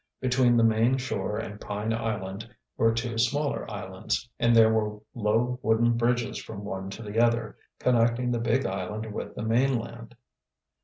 Between the main shore and Pine Island were two smaller islands, and there were low wooden bridges from one to the other, connecting the big island with the mainland.